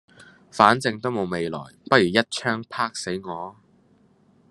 反正都冇未來不如一鎗啪死我